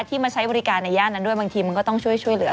มาใช้บริการในย่านนั้นด้วยบางทีมันก็ต้องช่วยเหลือ